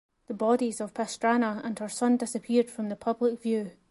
The bodies of Pastrana and her son disappeared from the public view.